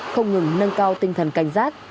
không ngừng nâng cao tinh thần cảnh giác